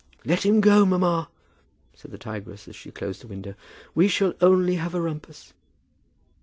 "Let him go, mamma," said the tigress as she closed the window. "We shall only have a rumpus."